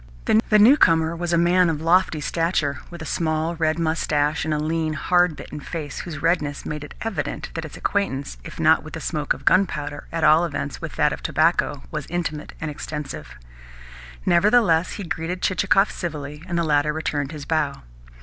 The newcomer was a man of lofty stature, with a small red moustache and a lean, hard bitten face whose redness made it evident that its acquaintance, if not with the smoke of gunpowder, at all events with that of tobacco, was intimate and extensive. Nevertheless he greeted Chichikov civilly, and the latter returned his bow.